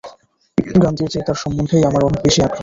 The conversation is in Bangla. গান্ধীর চেয়ে তার সম্বন্ধেই আমার অনেক বেশী আগ্রহ।